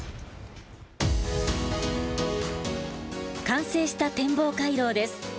完成した天望回廊です。